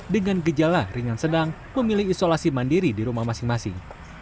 dengan gejala ringan sedang memilih isolasi mandiri di rumah masing masing